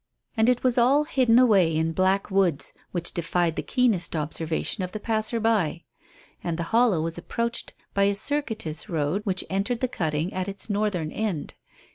And it was all hidden away in black woods which defied the keenest observation of the passer by. And the hollow was approached by a circuitous road which entered the cutting at its northern end.